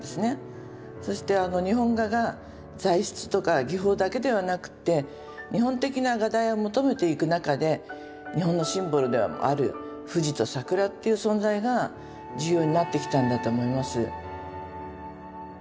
そして日本画が材質とか技法だけではなくって日本的な画題を求めていく中で日本のシンボルでもある富士と桜という存在が重要になってきたんだと思います。